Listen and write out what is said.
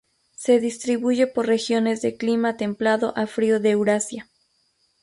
Se distribuye por regiones de clima templado a frío de Eurasia.